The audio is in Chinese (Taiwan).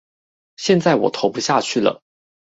現在我投不下去了